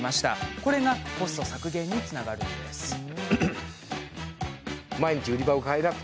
これがコスト削減につながるんです。